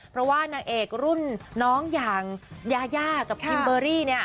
เพราะว่านางเอกรุ่นน้องกับไอหน้าอย่างยาวกับคลิมเบอร์รี่